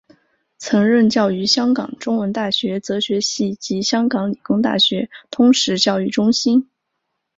曾任教于香港中文大学哲学系及香港理工大学通识教育中心。